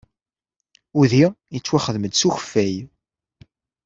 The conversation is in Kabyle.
Udi yettwaxdam-d s ukeffay.